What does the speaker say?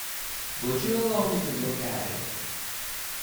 Would you allow me to look at it?